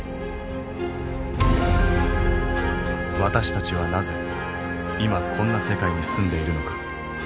私たちはなぜ今こんな世界に住んでいるのか。